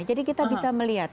jadi kita bisa melihat